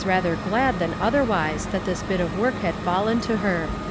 rather glad than otherwise that this bit of work had fallen to her.